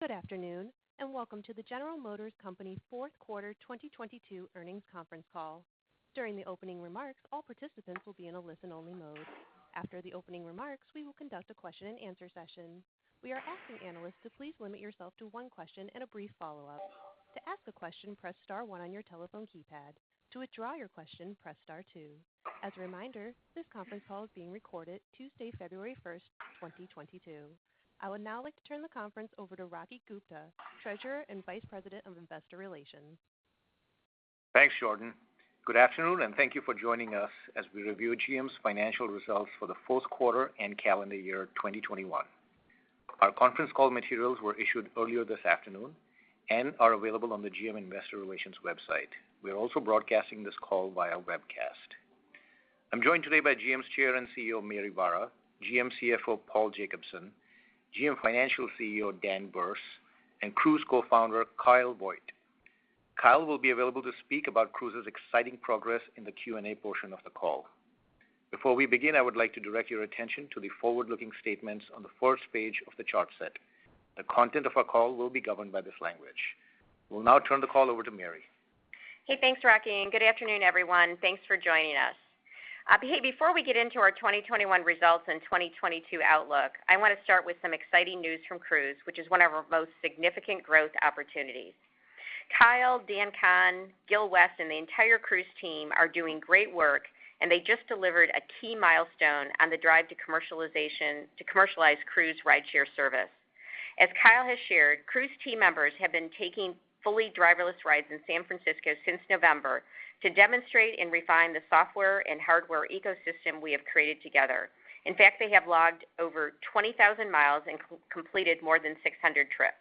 Good afternoon, and welcome to the General Motors Company fourth quarter 2022 earnings conference call. During the opening remarks, all participants will be in a listen-only mode. After the opening remarks, we will conduct a question-and-answer session. We are asking analysts to please limit yourself to one question and a brief follow-up. To ask a question, press star one on your telephone keypad. To withdraw your question, press star two. As a reminder, this conference call is being recorded Tuesday, February 1st, 2022. I would now like to turn the conference over to Rocky Gupta, Treasurer and Vice President of Investor Relations. Thanks, Jordan. Good afternoon, and thank you for joining us as we review GM's financial results for the fourth quarter and calendar year 2021. Our conference call materials were issued earlier this afternoon and are available on the GM Investor Relations website. We are also broadcasting this call via webcast. I'm joined today by GM's Chair and CEO, Mary Barra, GM CFO, Paul Jacobson, GM Financial CEO, Dan Berce, and Cruise Co-founder, Kyle Vogt. Kyle will be available to speak about Cruise's exciting progress in the Q&A portion of the call. Before we begin, I would like to direct your attention to the forward-looking statements on the first page of the chart set. The content of our call will be governed by this language. We'll now turn the call over to Mary. Hey, thanks, Rocky, and good afternoon, everyone. Thanks for joining us. Before we get into our 2021 results and 2022 outlook, I wanna start with some exciting news from Cruise, which is one of our most significant growth opportunities. Kyle, Dan Kan, Gil West, and the entire Cruise team are doing great work, and they just delivered a key milestone on the drive to commercialize Cruise rideshare service. As Kyle has shared, Cruise team members have been taking fully driverless rides in San Francisco since November to demonstrate and refine the software and hardware ecosystem we have created together. In fact, they have logged over 20,000 mi and completed more than 600 trips.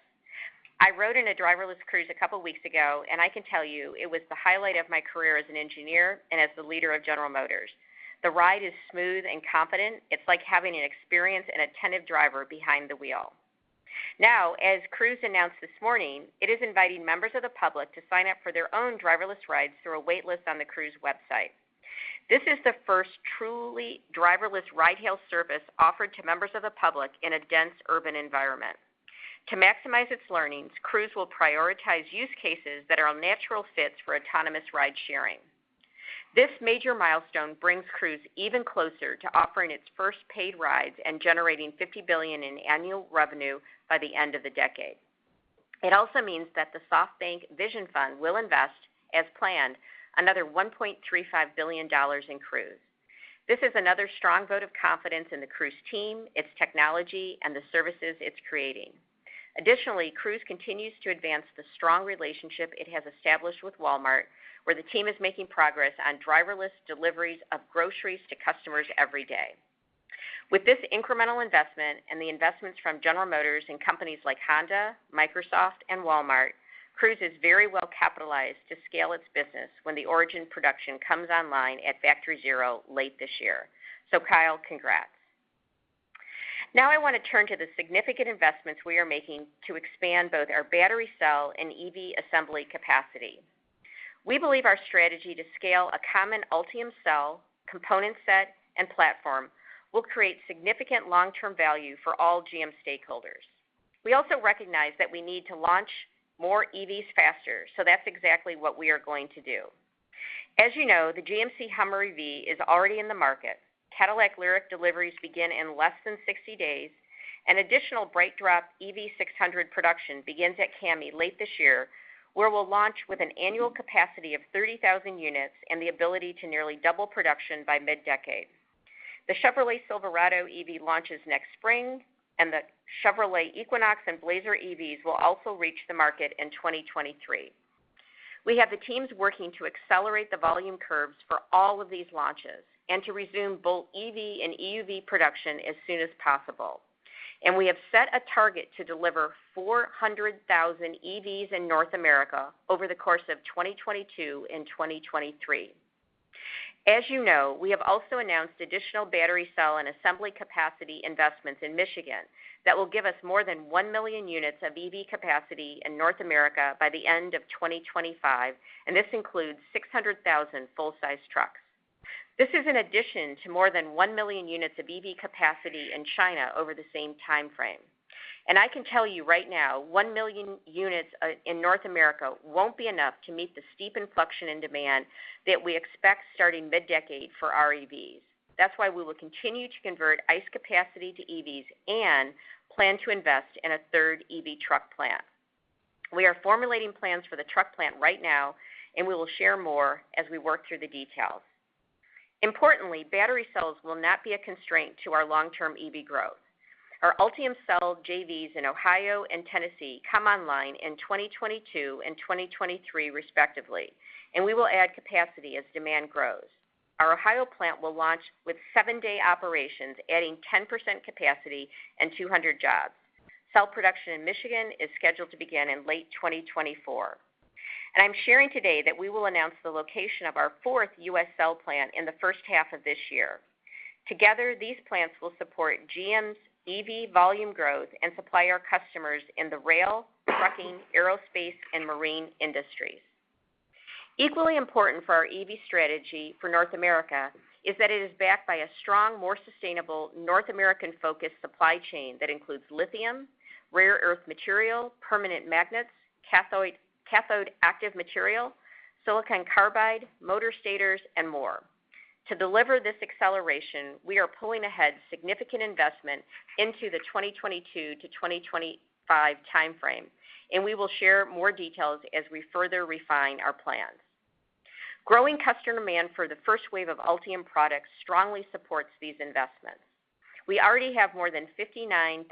I rode in a driverless Cruise a couple weeks ago, and I can tell you it was the highlight of my career as an engineer and as the leader of General Motors. The ride is smooth and confident. It's like having an experienced and attentive driver behind the wheel. Now, as Cruise announced this morning, it is inviting members of the public to sign up for their own driverless rides through a wait list on the Cruise website. This is the first truly driverless ride hail service offered to members of the public in a dense urban environment. To maximize its learnings, Cruise will prioritize use cases that are a natural fit for autonomous ride-sharing. This major milestone brings Cruise even closer to offering its first paid rides and generating $50 billion in annual revenue by the end of the decade. It also means that the SoftBank Vision Fund will invest, as planned, another $1.35 billion in Cruise. This is another strong vote of confidence in the Cruise team, its technology, and the services it's creating. Additionally, Cruise continues to advance the strong relationship it has established with Walmart, where the team is making progress on driverless deliveries of groceries to customers every day. With this incremental investment and the investments from General Motors and companies like Honda, Microsoft, and Walmart, Cruise is very well capitalized to scale its business when the Origin production comes online at Factory ZERO late this year. Kyle, congrats. Now I wanna turn to the significant investments we are making to expand both our battery cell and EV assembly capacity. We believe our strategy to scale a common Ultium cell, component set, and platform will create significant long-term value for all GM stakeholders. We also recognize that we need to launch more EVs faster, so that's exactly what we are going to do. As you know, the GMC HUMMER EV is already in the market. Cadillac LYRIQ deliveries begin in less than 60 days. An additional BrightDrop EV600 production begins at CAMI late this year, where we'll launch with an annual capacity of 30,000 units and the ability to nearly double production by mid-decade. The Chevrolet Silverado EV launches next spring, and the Chevrolet Equinox and Blazer EVs will also reach the market in 2023. We have the teams working to accelerate the volume curves for all of these launches and to resume both EV and EUV production as soon as possible, and we have set a target to deliver 400,000 EVs in North America over the course of 2022 and 2023. As you know, we have also announced additional battery cell and assembly capacity investments in Michigan that will give us more than 1,000,000 units of EV capacity in North America by the end of 2025, and this includes 600,000 full-size trucks. This is in addition to more than 1,000,000 units of EV capacity in China over the same timeframe. I can tell you right now, 1,000,000 units in North America won't be enough to meet the steep inflection in demand that we expect starting mid-decade for our EVs. That's why we will continue to convert ICE capacity to EVs and plan to invest in a third EV truck plant. We are formulating plans for the truck plant right now, and we will share more as we work through the details. Importantly, battery cells will not be a constraint to our long-term EV growth. Our Ultium cell JVs in Ohio and Tennessee come online in 2022 and 2023 respectively, and we will add capacity as demand grows. Our Ohio plant will launch with seven-day operations, adding 10% capacity and 200 jobs. Cell production in Michigan is scheduled to begin in late 2024. I'm sharing today that we will announce the location of our fourth U.S. cell plant in the first half of this year. Together, these plants will support GM's EV volume growth and supply our customers in the rail, trucking, aerospace, and marine industries. Equally important for our EV strategy for North America is that it is backed by a strong, more sustainable North American-focused supply chain that includes lithium, rare earth material, permanent magnets, cathode active material, silicon carbide, motor stators, and more. To deliver this acceleration, we are pulling ahead significant investment into the 2022-2025 time frame, and we will share more details as we further refine our plans. Growing customer demand for the first wave of Ultium products strongly supports these investments. We already have more than 59,000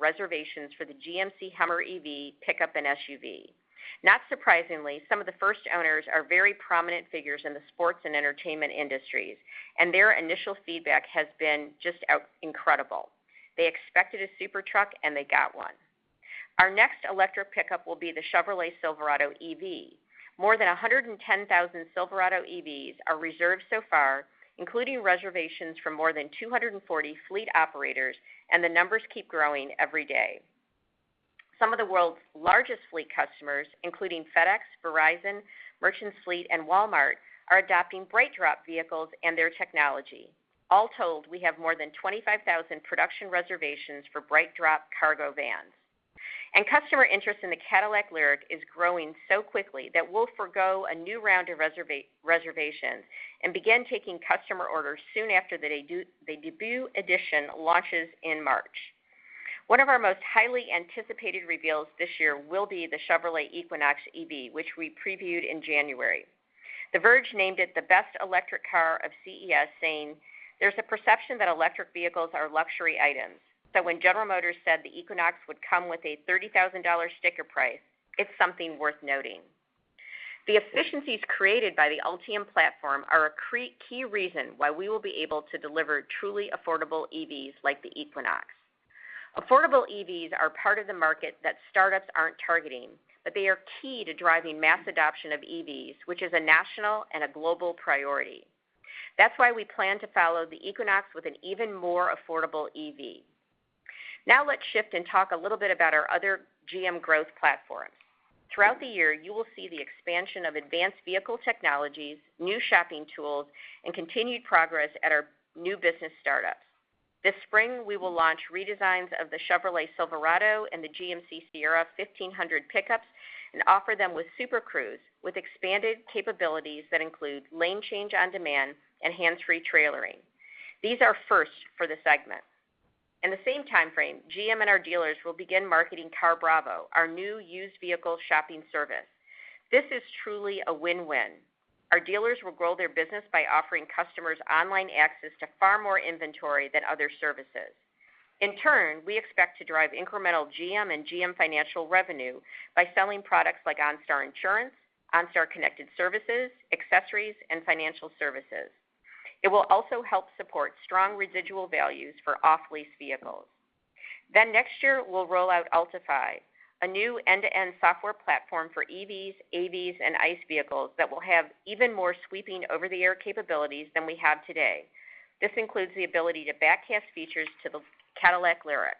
reservations for the GMC HUMMER EV pickup and SUV. Not surprisingly, some of the first owners are very prominent figures in the sports and entertainment industries, and their initial feedback has been just out incredible. They expected a super truck, and they got one. Our next electric pickup will be the Chevrolet Silverado EV. More than 110,000 Silverado EVs are reserved so far, including reservations from more than 240 fleet operators, and the numbers keep growing every day. Some of the world's largest fleet customers, including FedEx, Verizon, Merchants Fleet, and Walmart, are adopting BrightDrop vehicles and their technology. All told, we have more than 25,000 production reservations for BrightDrop cargo vans. Customer interest in the Cadillac LYRIQ is growing so quickly that we'll forego a new round of reservation and begin taking customer orders soon after the Debut Edition launches in March. One of our most highly anticipated reveals this year will be the Chevrolet Equinox EV, which we previewed in January. The Verge named it the best electric car of CES, saying, "There's a perception that electric vehicles are luxury items, so when General Motors said the Equinox would come with a $30,000 sticker price, it's something worth noting." The efficiencies created by the Ultium platform are a key reason why we will be able to deliver truly affordable EVs like the Equinox. Affordable EVs are part of the market that startups aren't targeting, but they are key to driving mass adoption of EVs, which is a national and a global priority. That's why we plan to follow the Equinox with an even more affordable EV. Now let's shift and talk a little bit about our other GM growth platforms. Throughout the year, you will see the expansion of advanced vehicle technologies, new shopping tools, and continued progress at our new business startups. This spring, we will launch redesigns of the Chevrolet Silverado and the GMC Sierra 1500 pickups and offer them with Super Cruise, with expanded capabilities that include lane change on demand and hands-free trailering. These are firsts for the segment. In the same time frame, GM and our dealers will begin marketing CarBravo, our new used vehicle shopping service. This is truly a win-win. Our dealers will grow their business by offering customers online access to far more inventory than other services. In turn, we expect to drive incremental GM and GM Financial revenue by selling products like OnStar Insurance, OnStar Connected Services, accessories, and financial services. It will also help support strong residual values for off-lease vehicles. Next year, we'll roll out Ultifi, a new end-to-end software platform for EVs, AVs, and ICE vehicles that will have even more sweeping over-the-air capabilities than we have today. This includes the ability to backcast features to the Cadillac LYRIQ.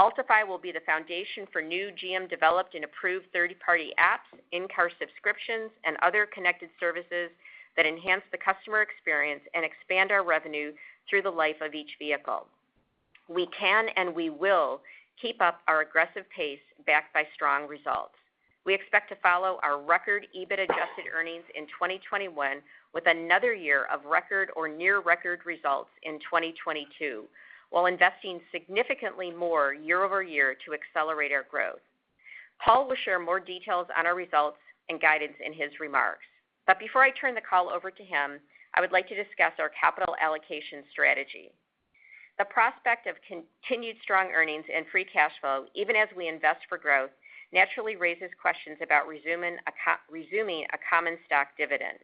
Ultifi will be the foundation for new GM-developed and approved third-party apps, in-car subscriptions, and other connected services that enhance the customer experience and expand our revenue through the life of each vehicle. We can and we will keep up our aggressive pace backed by strong results. We expect to follow our record EBIT adjusted earnings in 2021 with another year of record or near-record results in 2022, while investing significantly more year-over-year to accelerate our growth. Paul will share more details on our results and guidance in his remarks. Before I turn the call over to him, I would like to discuss our capital allocation strategy. The prospect of continued strong earnings and free cash flow, even as we invest for growth, naturally raises questions about resuming a common stock dividend.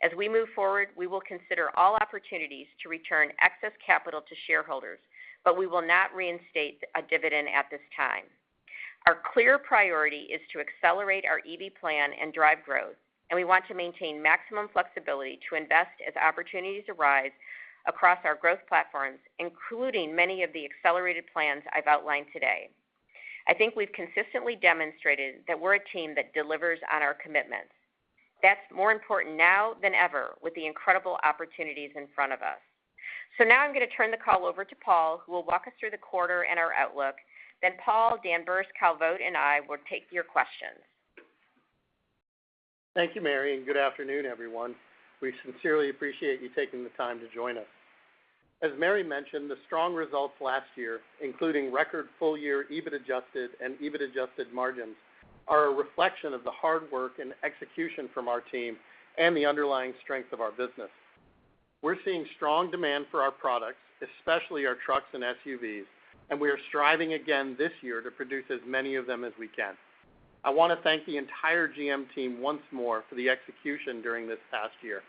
As we move forward, we will consider all opportunities to return excess capital to shareholders, but we will not reinstate a dividend at this time. Our clear priority is to accelerate our EV plan and drive growth, and we want to maintain maximum flexibility to invest as opportunities arise across our growth platforms, including many of the accelerated plans I've outlined today. I think we've consistently demonstrated that we're a team that delivers on our commitments. That's more important now than ever with the incredible opportunities in front of us. Now I'm going to turn the call over to Paul, who will walk us through the quarter and our outlook. Paul, Dan Berce, Kyle Vogt, and I will take your questions. Thank you, Mary, and good afternoon, everyone. We sincerely appreciate you taking the time to join us. As Mary mentioned, the strong results last year, including record full-year EBIT adjusted and EBIT adjusted margins, are a reflection of the hard work and execution from our team and the underlying strength of our business. We're seeing strong demand for our products, especially our trucks and SUVs, and we are striving again this year to produce as many of them as we can. I want to thank the entire GM team once more for the execution during this past year.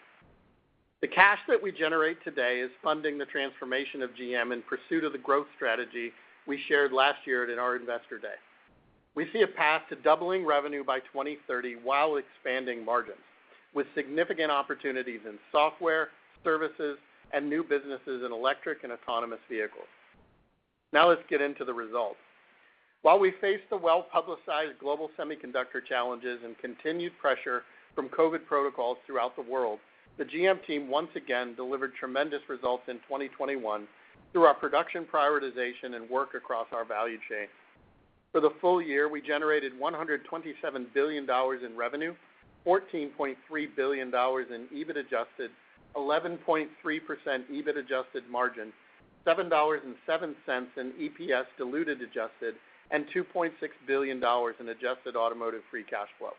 The cash that we generate today is funding the transformation of GM in pursuit of the growth strategy we shared last year at our Investor Day. We see a path to doubling revenue by 2030 while expanding margins, with significant opportunities in software, services, and new businesses in electric and autonomous vehicles. Now let's get into the results. While we face the well-publicized global semiconductor challenges and continued pressure from COVID protocols throughout the world, the GM team once again delivered tremendous results in 2021 through our production prioritization and work across our value chain. For the full year, we generated $127 billion in revenue, $14.3 billion in EBIT adjusted, 11.3% EBIT adjusted margin, $7.07 in EPS diluted adjusted, and $2.6 billion in adjusted automotive Free Cash Flow.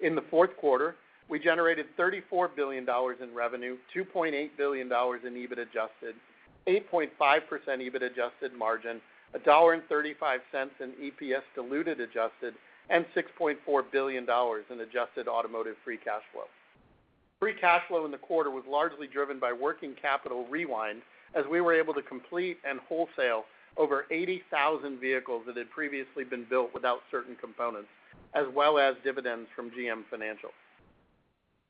In the fourth quarter, we generated $34 billion in revenue, $2.8 billion in EBIT adjusted, 8.5% EBIT adjusted margin, $1.35 in EPS diluted adjusted, and $6.4 billion in adjusted automotive free cash flow. Free cash flow in the quarter was largely driven by working capital unwind as we were able to complete and wholesale over 80,000 vehicles that had previously been built without certain components, as well as dividends from GM Financial.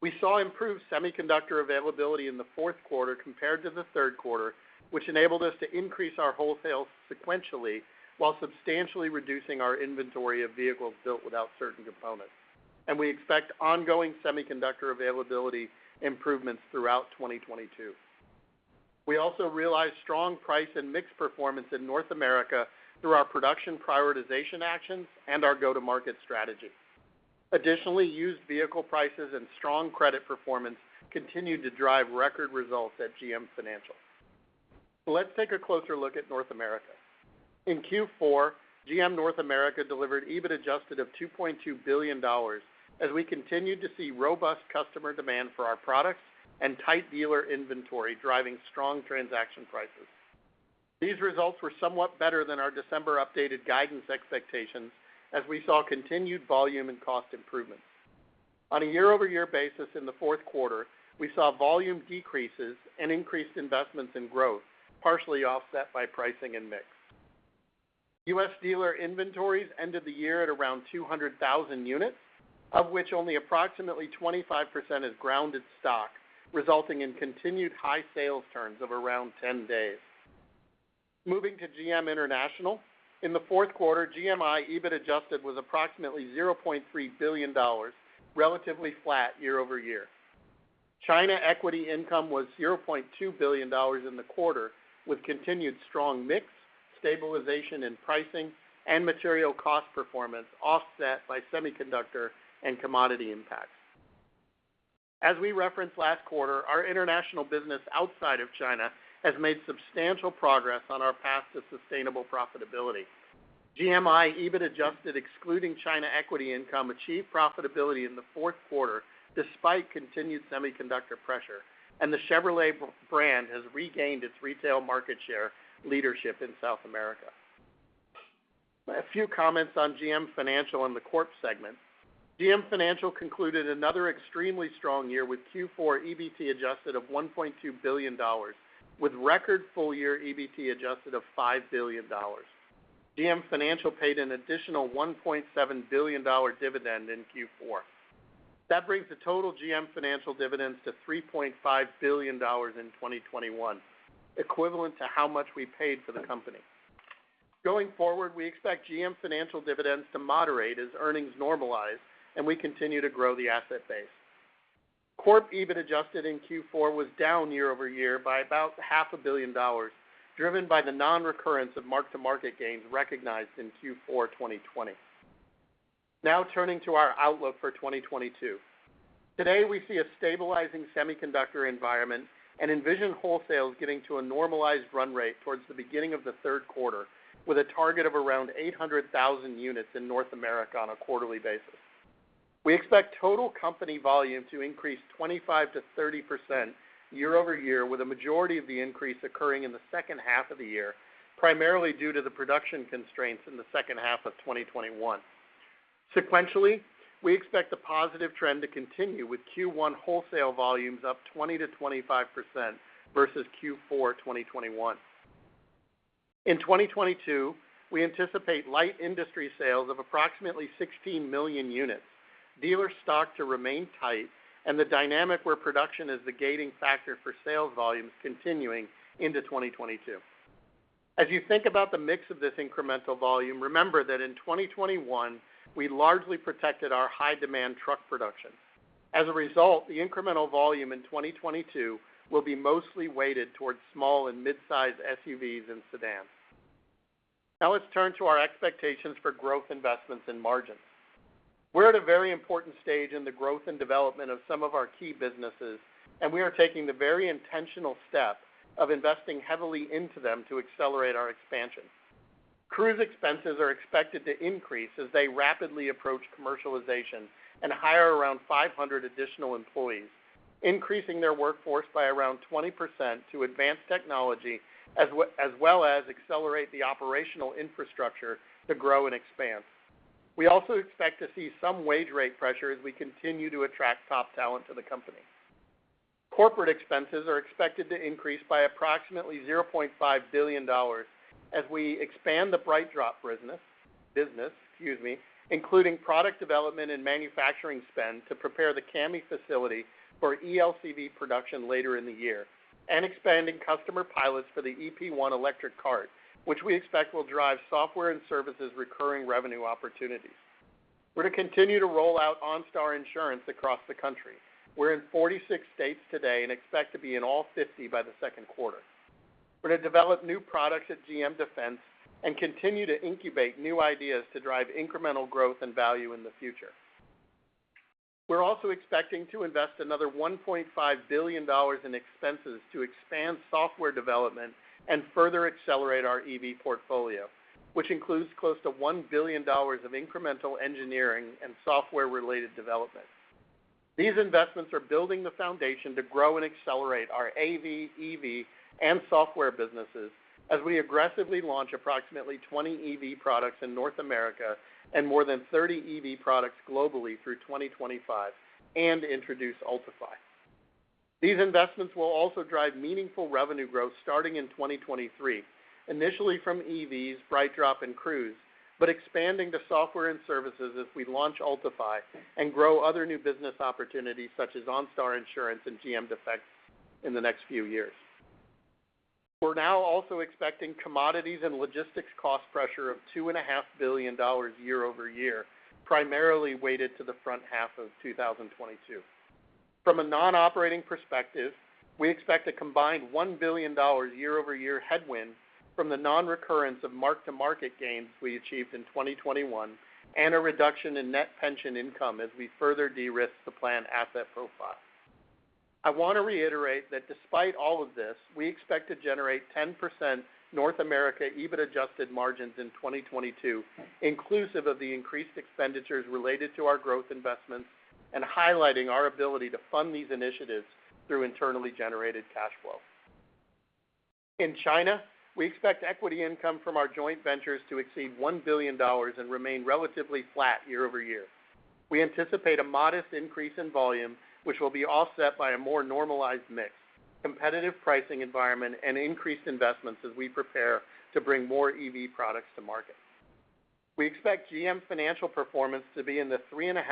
We saw improved semiconductor availability in the fourth quarter compared to the third quarter, which enabled us to increase our wholesale sequentially while substantially reducing our inventory of vehicles built without certain components. We expect ongoing semiconductor availability improvements throughout 2022. We also realized strong price and mix performance in North America through our production prioritization actions and our go-to-market strategy. Additionally, used vehicle prices and strong credit performance continued to drive record results at GM Financial. Let's take a closer look at North America. In Q4, GM North America delivered EBIT-adjusted of $2.2 billion as we continued to see robust customer demand for our products and tight dealer inventory driving strong transaction prices. These results were somewhat better than our December-updated guidance expectations as we saw continued volume and cost improvements. On a year-over-year basis in the fourth quarter, we saw volume decreases and increased investments in growth, partially offset by pricing and mix. U.S. dealer inventories ended the year at around 200,000 units, of which only approximately 25% is ground stock, resulting in continued high sales turns of around 10 days. Moving to GM International, in the fourth quarter, GMI EBIT adjusted was approximately $0.3 billion, relatively flat year-over-year. China equity income was $0.2 billion in the quarter, with continued strong mix, stabilization in pricing, and material cost performance offset by semiconductor and commodity impacts. As we referenced last quarter, our international business outside of China has made substantial progress on our path to sustainable profitability. GMI EBIT adjusted excluding China equity income achieved profitability in the fourth quarter despite continued semiconductor pressure, and the Chevrolet brand has regained its retail market share leadership in South America. A few comments on GM Financial and the Corp segment. GM Financial concluded another extremely strong year with Q4 EBT adjusted of $1.2 billion, with record full-year EBT adjusted of $5 billion. GM Financial paid an additional $1.7 billion dividend in Q4. That brings the total GM Financial dividends to $3.5 billion in 2021, equivalent to how much we paid for the company. Going forward, we expect GM Financial dividends to moderate as earnings normalize and we continue to grow the asset base. Corp EBIT adjusted in Q4 was down year-over-year by about $0.5 billion, driven by the non-recurrence of mark-to-market gains recognized in Q4 2020. Now turning to our outlook for 2022. Today, we see a stabilizing semiconductor environment and envision wholesales getting to a normalized run rate towards the beginning of the third quarter, with a target of around 800,000 units in North America on a quarterly basis. We expect total company volume to increase 25%-30% year-over-year, with a majority of the increase occurring in the second half of the year, primarily due to the production constraints in the second half of 2021. Sequentially, we expect the positive trend to continue, with Q1 wholesale volumes up 20%-25% versus Q4 2021. In 2022, we anticipate light industry sales of approximately 16 million units, dealer stock to remain tight, and the dynamic where production is the gating factor for sales volumes continuing into 2022. As you think about the mix of this incremental volume, remember that in 2021, we largely protected our high-demand truck production. As a result, the incremental volume in 2022 will be mostly weighted towards small and midsize SUVs and sedans. Now let's turn to our expectations for growth investments and margins. We're at a very important stage in the growth and development of some of our key businesses, and we are taking the very intentional step of investing heavily into them to accelerate our expansion. Cruise expenses are expected to increase as they rapidly approach commercialization and hire around 500 additional employees, increasing their workforce by around 20% to advance technology, as well as accelerate the operational infrastructure to grow and expand. We also expect to see some wage rate pressure as we continue to attract top talent to the company. Corporate expenses are expected to increase by approximately $0.5 billion as we expand the BrightDrop business, excuse me, including product development and manufacturing spend to prepare the CAMI facility for ELCV production later in the year, and expanding customer pilots for the EP1 electric cart, which we expect will drive software and services recurring revenue opportunities. We're to continue to roll out OnStar insurance across the country. We're in 46 states today and expect to be in all 50 by the second quarter. We're to develop new products at GM Defense and continue to incubate new ideas to drive incremental growth and value in the future. We're also expecting to invest another $1.5 billion in expenses to expand software development and further accelerate our EV portfolio, which includes close to $1 billion of incremental engineering and software-related development. These investments are building the foundation to grow and accelerate our AV, EV, and software businesses as we aggressively launch approximately 20 EV products in North America and more than 30 EV products globally through 2025 and introduce Ultifi. These investments will also drive meaningful revenue growth starting in 2023, initially from EVs, BrightDrop, and Cruise, but expanding to software and services as we launch Ultifi and grow other new business opportunities such as OnStar Insurance and GM Defense in the next few years. We're now also expecting commodities and logistics cost pressure of $2.5 billion year over year, primarily weighted to the front half of 2022. From a non-operating perspective, we expect a combined $1 billion year-over-year headwind from the non-recurrence of mark-to-market gains we achieved in 2021 and a reduction in net pension income as we further de-risk the plan asset profile. I want to reiterate that despite all of this, we expect to generate 10% North America EBIT adjusted margins in 2022, inclusive of the increased expenditures related to our growth investments and highlighting our ability to fund these initiatives through internally generated cash flow. In China, we expect equity income from our joint ventures to exceed $1 billion and remain relatively flat year-over-year. We anticipate a modest increase in volume, which will be offset by a more normalized mix, competitive pricing environment, and increased investments as we prepare to bring more EV products to market. We expect GM Financial performance to be in the $3.5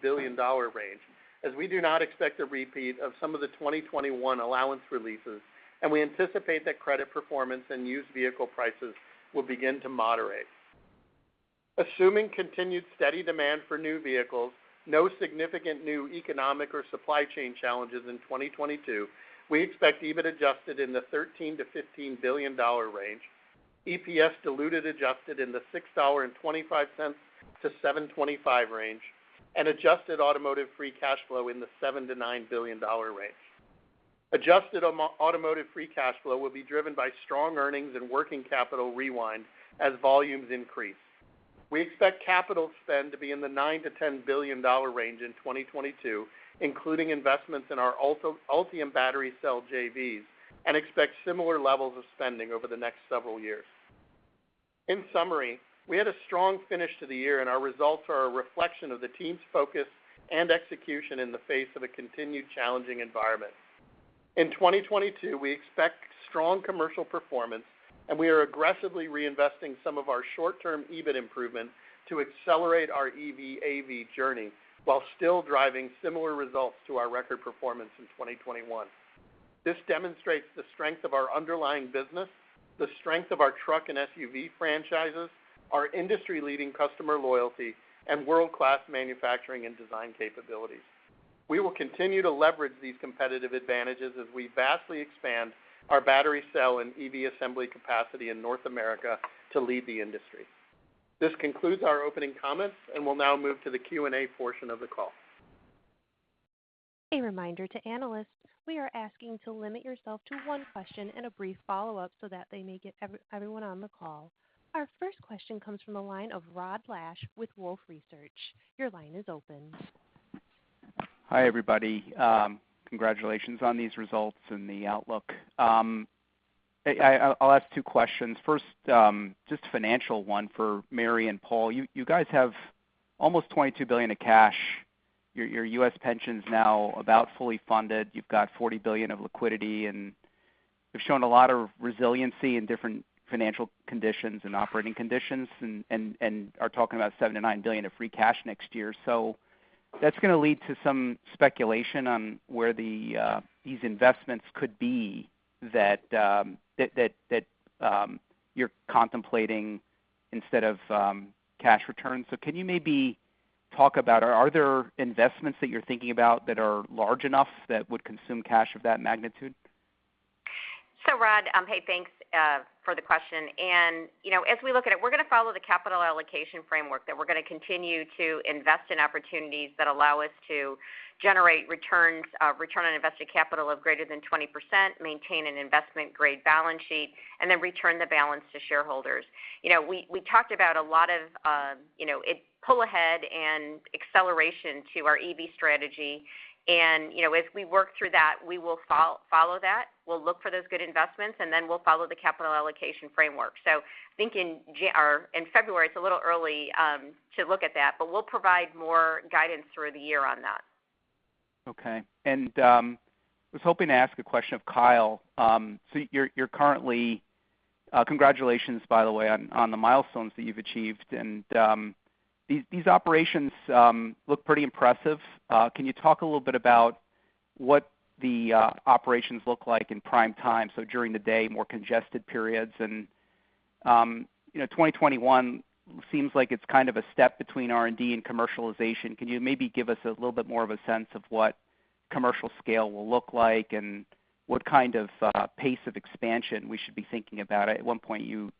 billion-$4 billion range, as we do not expect a repeat of some of the 2021 allowance releases, and we anticipate that credit performance and used vehicle prices will begin to moderate. Assuming continued steady demand for new vehicles, no significant new economic or supply chain challenges in 2022, we expect EBIT adjusted in the $13 billion-$15 billion range, EPS diluted adjusted in the $6.25-$7.25 range, and adjusted automotive free cash flow in the $7 billion-$9 billion range. Adjusted automotive free cash flow will be driven by strong earnings and working capital unwind as volumes increase. We expect capital spend to be in the $9 billion-$10 billion range in 2022, including investments in our Ultium battery cell JVs, and expect similar levels of spending over the next several years. In summary, we had a strong finish to the year, and our results are a reflection of the team's focus and execution in the face of a continued challenging environment. In 2022, we expect strong commercial performance, and we are aggressively reinvesting some of our short-term EBIT improvements to accelerate our EV AV journey while still driving similar results to our record performance in 2021. This demonstrates the strength of our underlying business, the strength of our truck and SUV franchises, our industry-leading customer loyalty, and world-class manufacturing and design capabilities. We will continue to leverage these competitive advantages as we vastly expand our battery cell and EV assembly capacity in North America to lead the industry. This concludes our opening comments, and we'll now move to the Q&A portion of the call. A reminder to analysts, we are asking to limit yourself to one question and a brief follow-up so that they may get everyone on the call. Our first question comes from the line of Rod Lache with Wolfe Research. Your line is open. Hi, everybody. Congratulations on these results and the outlook. I'll ask two questions. First, just a financial one for Mary and Paul. You guys have almost $22 billion of cash. Your U.S. pension's now about fully funded. You've got $40 billion of liquidity, and you've shown a lot of resiliency in different financial conditions and operating conditions and are talking about $7 billion-$9 billion of free cash next year. That's gonna lead to some speculation on where these investments could be that you're contemplating instead of cash returns. Can you maybe talk about, are there investments that you're thinking about that are large enough that would consume cash of that magnitude? Rod, hey, thanks for the question. As we look at it, we're gonna follow the capital allocation framework that we're gonna continue to invest in opportunities that allow us to generate returns, return on invested capital of greater than 20%, maintain an investment-grade balance sheet, and then return the balance to shareholders. We talked about a lot of you know, EV pull ahead and acceleration to our EV strategy. As we work through that, we will follow that. We'll look for those good investments, and then we'll follow the capital allocation framework. I think in January or in February, it's a little early to look at that, but we'll provide more guidance through the year on that. Okay. I was hoping to ask a question of Kyle. So, congratulations, by the way, on the milestones that you've achieved, and these operations look pretty impressive. Can you talk a little bit about what the operations look like in prime time, so during the day, more congested periods? You know, 2021 seems like it's kind of a step between R&D and commercialization. Can you maybe give us a little bit more of a sense of what commercial scale will look like and what kind of pace of expansion we should be thinking about? At one point, you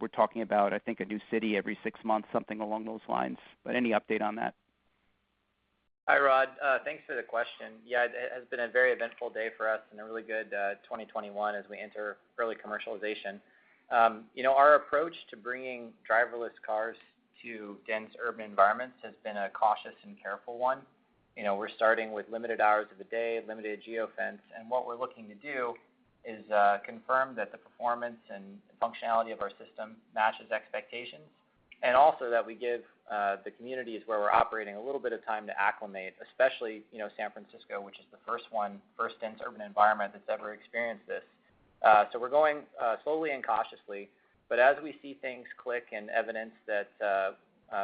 were talking about, I think, a new city every six months, something along those lines. Any update on that? Hi, Rod. Thanks for the question. Yeah, it has been a very eventful day for us and a really good 2021 as we enter early commercialization. Our approach to bringing driverless cars to dense urban environments has been a cautious and careful one. We're starting with limited hours of the day, limited geofence, and what we're looking to do is confirm that the performance and functionality of our system matches expectations. Also that we give the communities where we're operating a little bit of time to acclimate, especially San Francisco, which is the first one, first dense urban environment that's ever experienced this. We're going slowly and cautiously, but as we see things click and evidence that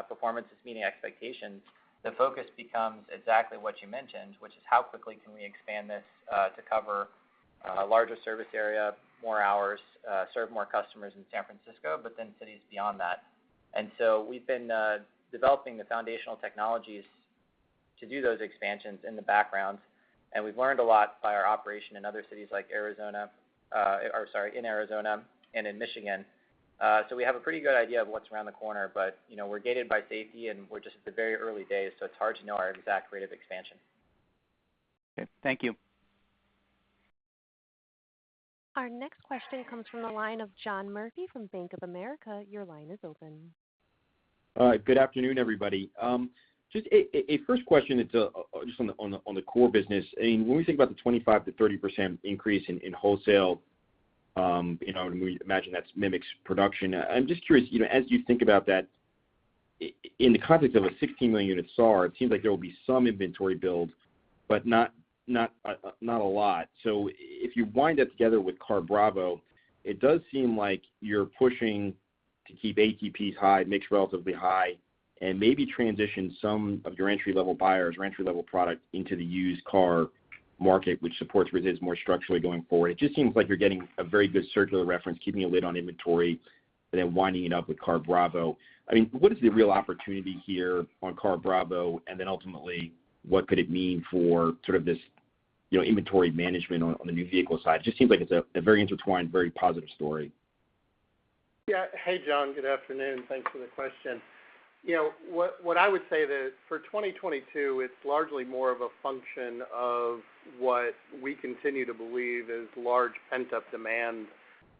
performance is meeting expectations, the focus becomes exactly what you mentioned, which is how quickly can we expand this to cover larger service area, more hours, serve more customers in San Francisco, but then cities beyond that. We've been developing the foundational technologies to do those expansions in the background, and we've learned a lot by our operation in other cities like in Arizona and in Michigan. We have a pretty good idea of what's around the corner, but we're gated by safety, and we're just at the very early days, so it's hard to know our exact rate of expansion. Okay. Thank you. Our next question comes from the line of John Murphy from Bank of America Merrill Lynch. Your line is open. All right. Good afternoon, everybody. Just a first question, it's just on the core business. I mean, when we think about the 25%-30% increase in wholesale, and we imagine that mimics production. I'm just curious, as you think about that, in the context of a 16 million-unit SAR, it seems like there will be some inventory build, but not a lot. If you wind up together with CarBravo, it does seem like you're pushing to keep ATPs high, mix relatively high, and maybe transition some of your entry-level buyers or entry-level product into the used car market, which supports residuals more structurally going forward. It just seems like you're getting a very good virtuous circle, keeping a lid on inventory, but then winding it up with CarBravo. I mean, what is the real opportunity here on CarBravo? Ultimately, what could it mean for sort of this inventory management on the new vehicle side? It just seems like it's a very intertwined, very positive story. Yeah. Hey, John. Good afternoon. Thanks for the question. What I would say that for 2022, it's largely more of a function of what we continue to believe is large pent-up demand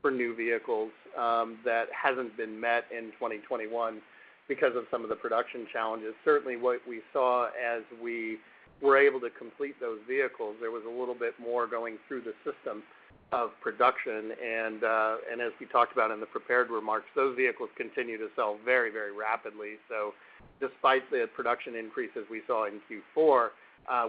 for new vehicles that hasn't been met in 2021 because of some of the production challenges. Certainly what we saw as we were able to complete those vehicles, there was a little bit more going through the system of production. As we talked about in the prepared remarks, those vehicles continue to sell very, very rapidly. Despite the production increase as we saw in Q4,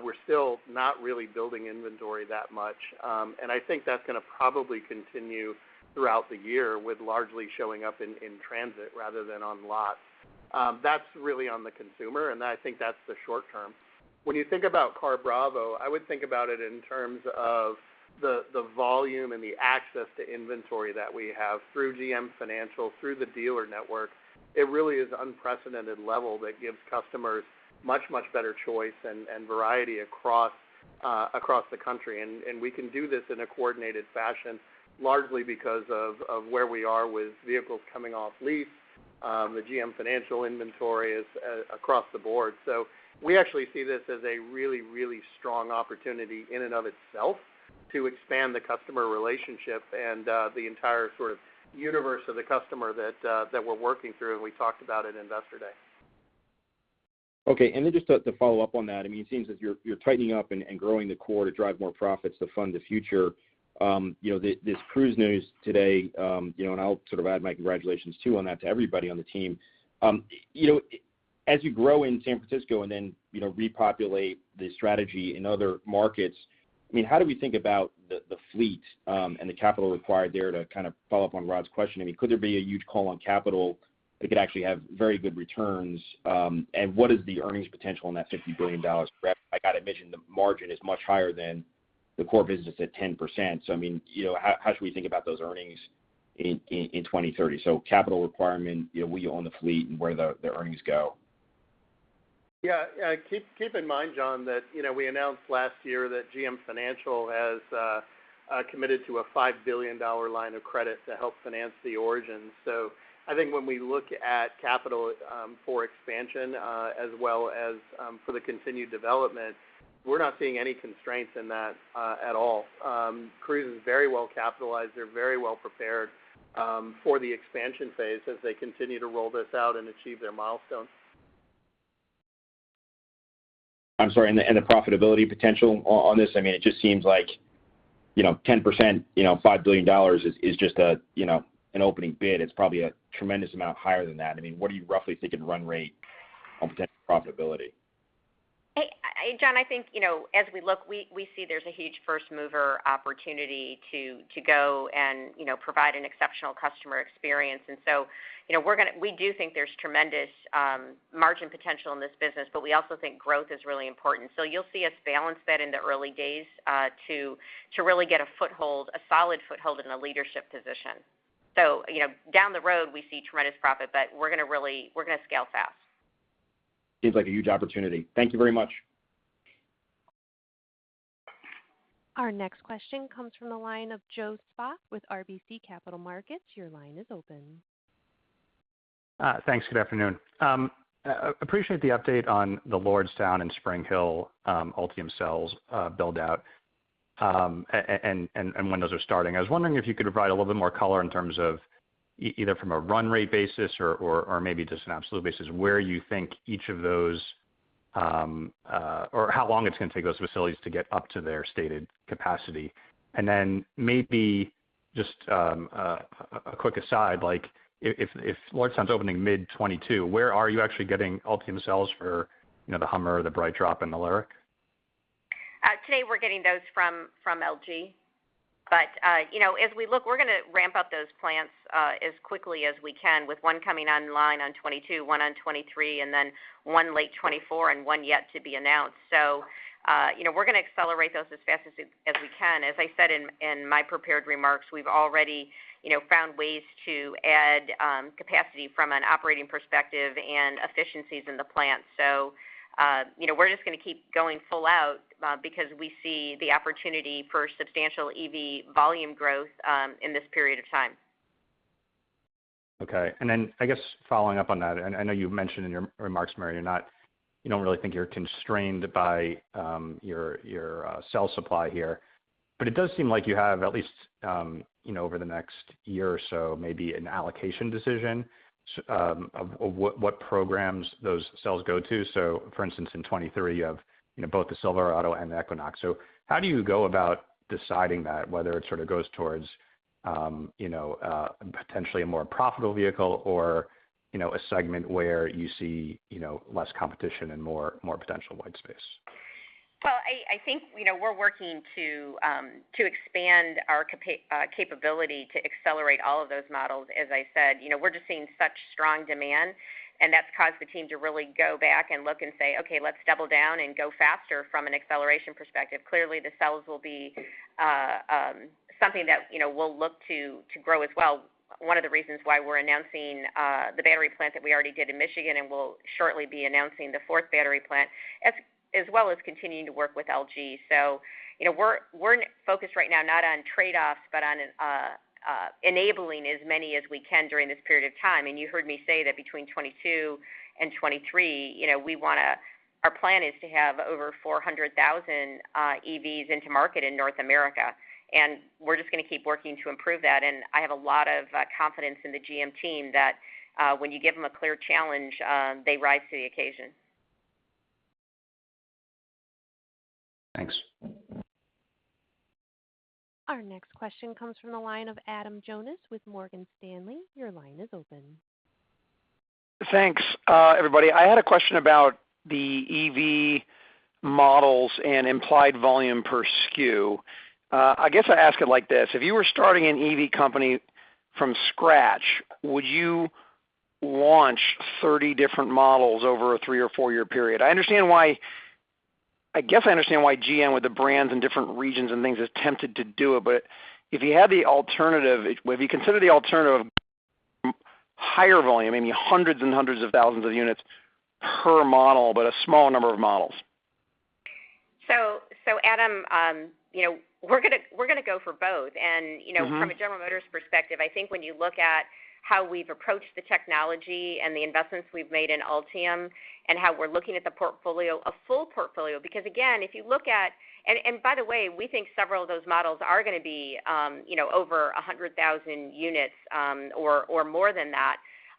we're still not really building inventory that much. I think that's gonna probably continue throughout the year with largely showing up in transit rather than on lots. That's really on the consumer, and I think that's the short term. When you think about CarBravo, I would think about it in terms of the volume and the access to inventory that we have through GM Financial, through the dealer network. It really is unprecedented level that gives customers much better choice and variety across the country. We can do this in a coordinated fashion, largely because of where we are with vehicles coming off lease, the GM Financial inventory is across the board. We actually see this as a really strong opportunity in and of itself to expand the customer relationship and the entire sort of universe of the customer that we're working through, and we talked about at Investor Day. Okay. Then just to follow up on that, I mean, it seems as you're tightening up and growing the core to drive more profits to fund the future, this Cruise news today, and I'll sort of add my congratulations too on that to everybody on the team. As you grow in San Francisco and then replicate the strategy in other markets, I mean, how do we think about the fleet and the capital required there to kind of follow up on Rod's question? I mean, could there be a huge call on capital that could actually have very good returns? What is the earnings potential in that $50 billion? I gotta imagine the margin is much higher than the core business at 10%. I mean, how should we think about those earnings in 2030? Capital requirement, will you own the fleet and where the earnings go? Keep in mind, John, that we announced last year that GM Financial has committed to a $5 billion line of credit to help finance the Origin. So I think when we look at capital for expansion as well as for the continued development, we're not seeing any constraints in that at all. Cruise is very well capitalized. They're very well prepared for the expansion phase as they continue to roll this out and achieve their milestones. I'm sorry. The profitability potential on this? I mean, it just seems like- You know, 10%, $5 billion is just an opening bid. It's probably a tremendous amount higher than that. I mean, what are you roughly thinking run rate on potential profitability? Hey, John, I think as we look, we see there's a huge first mover opportunity to go and provide an exceptional customer experience. We do think there's tremendous margin potential in this business, but we also think growth is really important. You'll see us balance that in the early days to really get a foothold, a solid foothold in a leadership position. Down the road, we see tremendous profit, but we're gonna scale fast. Seems like a huge opportunity. Thank you very much. Our next question comes from the line of Joseph Spak with RBC Capital Markets. Your line is open. Thanks. Good afternoon. I appreciate the update on the Lordstown and Spring Hill Ultium cells build-out and when those are starting. I was wondering if you could provide a little bit more color in terms of either from a run rate basis or maybe just an absolute basis, where you think each of those or how long it's gonna take those facilities to get up to their stated capacity. Then maybe just a quick aside, like if Lordstown's opening mid-2022, where are you actually getting Ultium cells for the Hummer, the BrightDrop and the LYRIQ? Today we're getting those from LG. As we look, we're gonna ramp up those plants as quickly as we can, with one coming online in 2022, one in 2023, and then one late 2024, and one yet to be announced. We're gonna accelerate those as fast as we can. As I said in my prepared remarks, we've already found ways to add capacity from an operating perspective and efficiencies in the plant. We're just gonna keep going full out because we see the opportunity for substantial EV volume growth in this period of time. Okay. I guess following up on that, I know you've mentioned in your remarks, Mary. You don't really think you're constrained by your cell supply here. It does seem like you have at least over the next year or so, maybe an allocation decision of what programs those cells go to. For instance, in 2023, you have both the Silverado and Equinox. How do you go about deciding that, whether it sort of goes towards potentially a more profitable vehicle or, a segment where you see less competition and more potential white space? Well, I think, we're working to expand our capability to accelerate all of those models. As I said, we're just seeing such strong demand, and that's caused the team to really go back and look and say, "Okay, let's double down and go faster from an acceleration perspective." Clearly, the cells will be something that we'll look to grow as well. One of the reasons why we're announcing the battery plant that we already did in Michigan, and we'll shortly be announcing the fourth battery plant, as well as continuing to work with LG. We're focused right now not on trade-offs, but on enabling as many as we can during this period of time. You heard me say that between 2022 and 2023, our plan is to have over 400,000 EVs into market in North America. We're just gonna keep working to improve that. I have a lot of confidence in the GM team that when you give them a clear challenge, they rise to the occasion. Thanks. Our next question comes from the line of Adam Jonas with Morgan Stanley. Your line is open. Thanks, everybody. I had a question about the EV models and implied volume per SKU. I guess I'd ask it like this. If you were starting an EV company from scratch, would you launch 30 different models over a three or four year period? I guess I understand why GM with the brands in different regions and things is tempted to do it. If you had the alternative, if you consider the alternative, higher volume, maybe hundreds and hundreds of thousands of units per model, but a small number of models. Adam, we're gonna go for both. From a General Motors perspective, I think when you look at how we've approached the technology and the investments we've made in Ultium and how we're looking at the portfolio, a full portfolio. Because again, by the way, we think several of those models are gonna be, over 100,000 units, or more than that,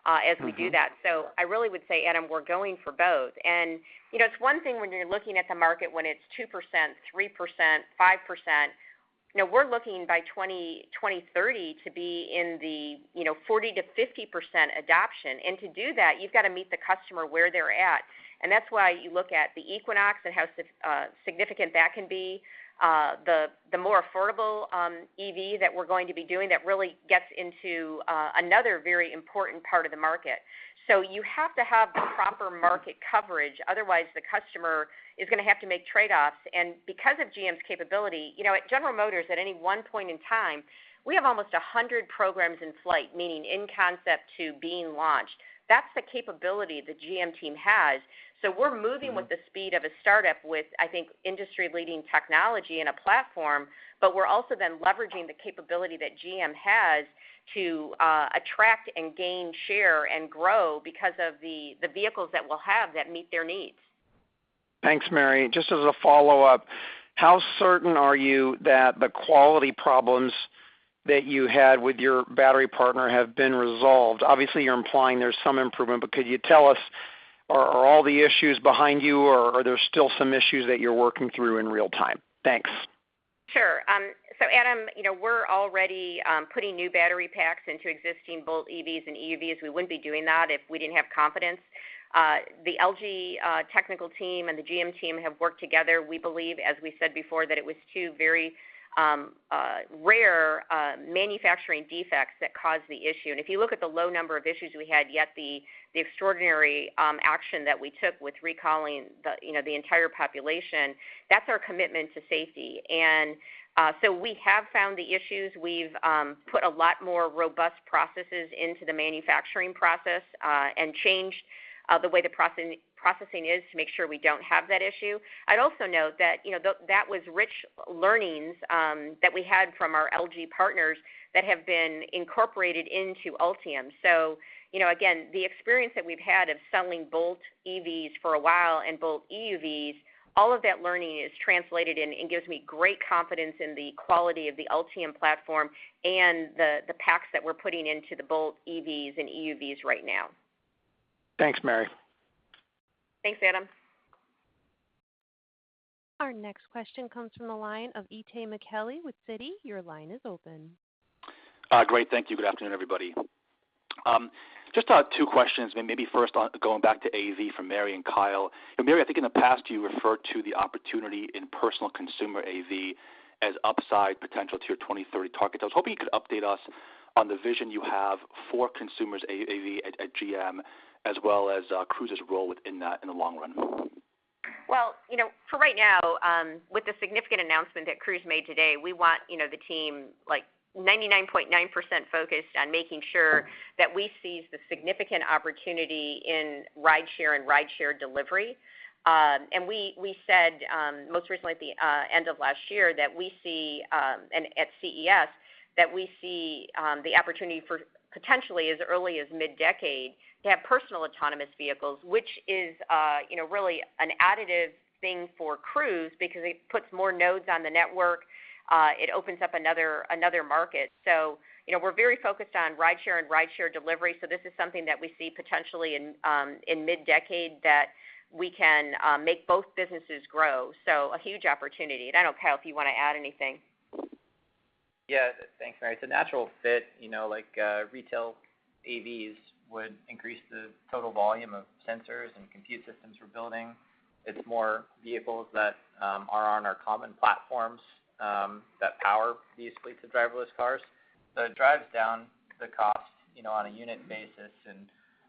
as we do that. I really would say, Adam, we're going for both. It's one thing when you're looking at the market when it's 2%, 3%, 5%. We're looking by 2030 to be in the 40%-50% adoption. To do that, you've got to meet the customer where they're at. That's why you look at the Equinox and how significant that can be. The more affordable EV that we're going to be doing that really gets into another very important part of the market. You have to have the proper market coverage. Otherwise, the customer is gonna have to make trade-offs. Because of GM's capability, at General Motors, at any one point in time, we have almost 100 programs in flight, meaning in concept to being launched. That's the capability the GM team has. We're moving with the speed of a startup with, I think, industry-leading technology and a platform, but we're also then leveraging the capability that GM has to attract and gain share and grow because of the vehicles that we'll have that meet their needs. Thanks, Mary. Just as a follow-up, how certain are you that the quality problems that you had with your battery partner have been resolved? Obviously, you're implying there's some improvement, but could you tell us? Are all the issues behind you or are there still some issues that you're working through in real time? Thanks. Sure. Adam, we're already putting new battery packs into existing Bolt EVs and EUVs. We wouldn't be doing that if we didn't have confidence. The LG technical team and the GM team have worked together. We believe, as we said before, that it was two very rare manufacturing defects that caused the issue. If you look at the low number of issues we had, yet the extraordinary action that we took with recalling the entire population, that's our commitment to safety. We have found the issues. We've put a lot more robust processes into the manufacturing process and changed the way the processing is to make sure we don't have that issue. I'd also note that, that was rich learnings that we had from our LG partners that have been incorporated into Ultium. Again, the experience that we've had of selling Bolt EVs for a while and Bolt EUVs, all of that learning is translated and gives me great confidence in the quality of the Ultium platform and the packs that we're putting into the Bolt EVs and EUVs right now. Thanks, Mary. Thanks, Adam. Our next question comes from the line of Itay Michaeli with Citi. Your line is open. Great. Thank you. Good afternoon, everybody. Just two questions, maybe first on going back to AV for Mary Barra and Kyle Vogt. Mary Barra, I think in the past you referred to the opportunity in personal consumer AV as upside potential to your 2030 target. I was hoping you could update us on the vision you have for consumer AV at GM, as well as Cruise's role within that in the long run. Well, for right now, with the significant announcement that Cruise made today, we want the team like 99.9% focused on making sure that we seize the significant opportunity in rideshare and rideshare delivery. We said most recently at the end of last year that we see, and at CES, that we see the opportunity for potentially as early as mid-decade to have personal autonomous vehicles, which is really an additive thing for Cruise because it puts more nodes on the network. It opens up another market. We're very focused on rideshare and rideshare delivery, so this is something that we see potentially in mid-decade that we can make both businesses grow. A huge opportunity. I don't know, Kyle, if you wanna add anything. Yeah. Thanks, Mary. It's a natural fit. Like, retail AVs would increase the total volume of sensors and compute systems we're building. It's more vehicles that are on our common platforms that power these fleets of driverless cars. It drives down the cost on a unit basis and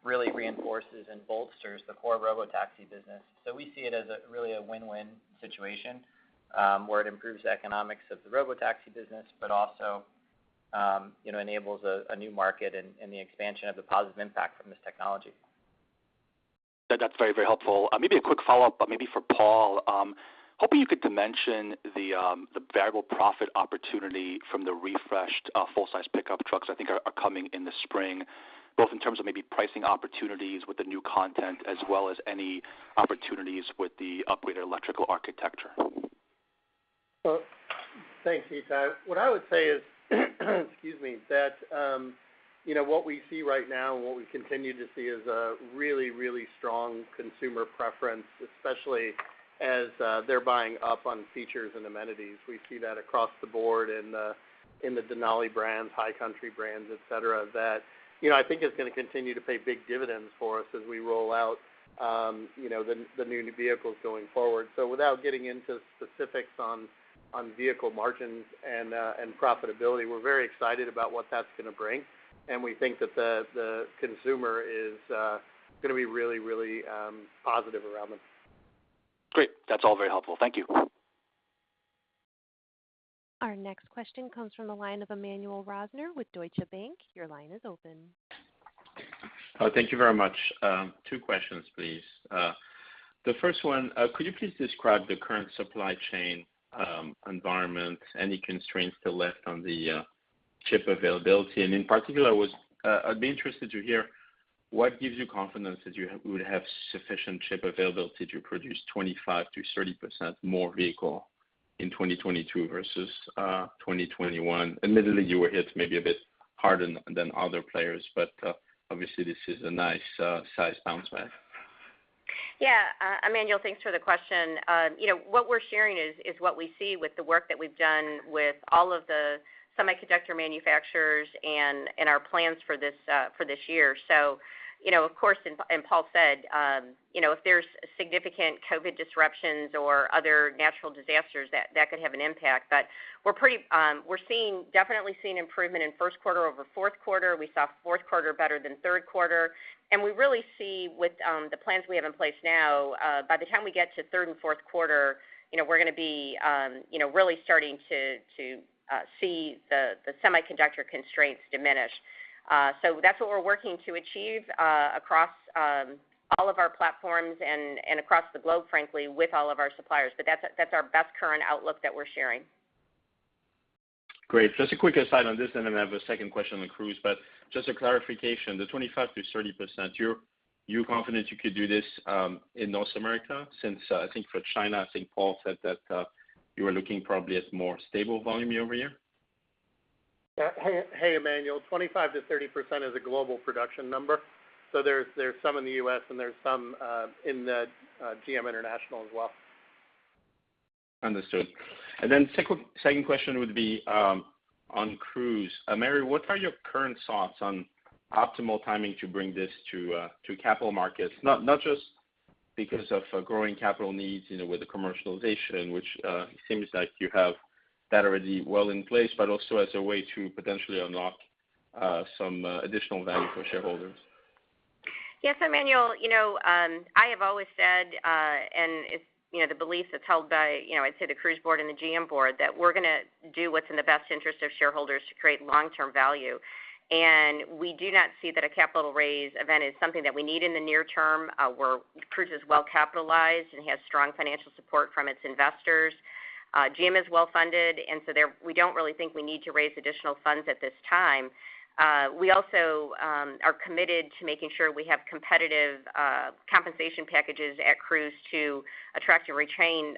really reinforces and bolsters the core robotaxi business. We see it as a really win-win situation, where it improves the economics of the robotaxi business, but also enables a new market and the expansion of the positive impact from this technology. That's very, very helpful. Maybe a quick follow-up, but maybe for Paul. Hoping you could dimension the variable profit opportunity from the refreshed, full-size pickup trucks I think are coming in the spring, both in terms of maybe pricing opportunities with the new content as well as any opportunities with the upgraded electrical architecture. Well, thanks, Itay. What I would say is that you know what we see right now and what we continue to see is a really strong consumer preference, especially as they're buying up on features and amenities. We see that across the board in the Denali brands, High Country brands, et cetera, that I think is gonna continue to pay big dividends for us as we roll out you know the new vehicles going forward. Without getting into specifics on vehicle margins and profitability, we're very excited about what that's gonna bring. We think that the consumer is gonna be really positive around them. Great. That's all very helpful. Thank you. Our next question comes from the line of Emmanuel Rosner with Deutsche Bank. Your line is open. Oh, thank you very much. Two questions, please. The first one, could you please describe the current supply chain environment, any constraints still left on the chip availability? In particular, I was, I'd be interested to hear what gives you confidence that you would have sufficient chip availability to produce 25%-30% more vehicles in 2022 versus 2021. Admittedly, you were hit maybe a bit harder than other players, but obviously this is a nice sizable bounce back. Yeah. Emmanuel, thanks for the question. What we're sharing is what we see with the work that we've done with all of the semiconductor manufacturers and our plans for this year. Of course, Paul said, if there's significant COVID disruptions or other natural disasters, that could have an impact. We're definitely seeing improvement in first quarter over fourth quarter. We saw fourth quarter better than third quarter. We really see with the plans we have in place now, by the time we get to third and fourth quarter, we're gonna be really starting to see the semiconductor constraints diminish. That's what we're working to achieve across all of our platforms and across the globe, frankly, with all of our suppliers. That's our best current outlook that we're sharing. Great. Just a quick aside on this, and then I have a second question on Cruise. Just a clarification, the 25%-30%, you're confident you could do this in North America since I think for China, Paul said that you were looking probably at more stable volume year-over-year? Yeah. Hey, Emmanuel. 25%-30% is a global production number. There's some in the U.S., and there's some in GM International as well. Understood. Second question would be on Cruise. Mary, what are your current thoughts on optimal timing to bring this to capital markets? Not just because of growing capital needs, with the commercialization, which it seems like you have that already well in place, but also as a way to potentially unlock some additional value for shareholders. Yes, Emmanuel, I have always said, and it's the belief that's held by, I'd say, the Cruise board and the GM board, that we're gonna do what's in the best interest of shareholders to create long-term value. We do not see that a capital raise event is something that we need in the near term. Cruise is well capitalized and has strong financial support from its investors. GM is well-funded, and so we don't really think we need to raise additional funds at this time. We also are committed to making sure we have competitive compensation packages at Cruise to attract and retain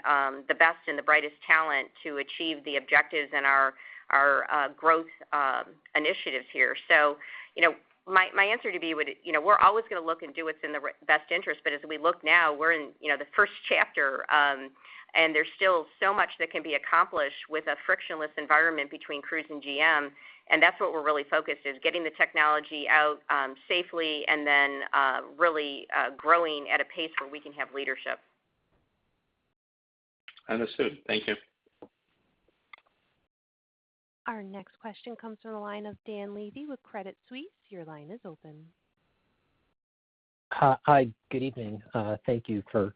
the best and the brightest talent to achieve the objectives in our growth initiatives here. My answer to you would, we're always gonna look and do what's in the best interest, but as we look now, we're in the first chapter, and there's still so much that can be accomplished with a frictionless environment between Cruise and GM. That's what we're really focused is getting the technology out, safely and then really growing at a pace where we can have leadership. Understood. Thank you. Our next question comes from the line of Dan Levy with Credit Suisse. Your line is open. Hi. Good evening. Thank you for